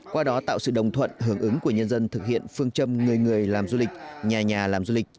qua đó tạo sự đồng thuận hưởng ứng của nhân dân thực hiện phương châm người người làm du lịch nhà nhà làm du lịch